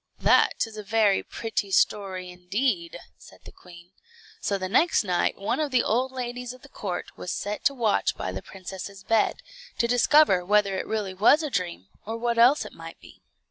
"That is a very pretty story, indeed," said the queen. So the next night one of the old ladies of the court was set to watch by the princess's bed, to discover whether it really was a dream, or what else it might be.